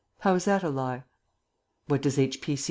how is that a lie?" "What does H.